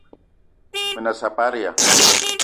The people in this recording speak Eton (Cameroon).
Me ne saparia !